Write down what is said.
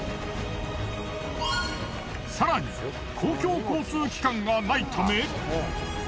更に公共交通機関がないため。